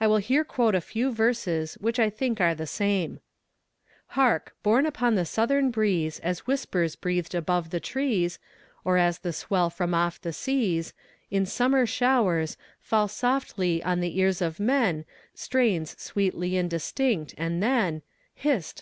I will here quote a few verses which I think are the same: Hark! borne upon the Southern breeze, As whispers breathed above the trees, Or as the swell from off the seas, In summer showers, Fall softly on the ears of men Strains sweetly indistinct, and then Hist!